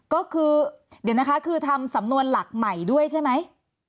ก็คือเดี๋ยวนะคะคือทำสำนวนหลักใหม่ด้วยใช่ไหม